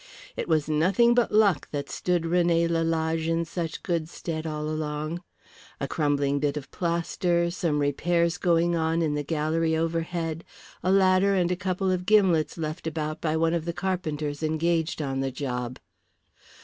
It was nothing but luck that stood René Lalage in such good stead all along. A crumbling bit of plaster, some repairs going on in the gallery overhead, a ladder and a couple of gimlets left about by one of the carpenters engaged on the job.